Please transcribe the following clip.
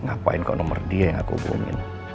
ngapain kok nomor dia yang aku hubungin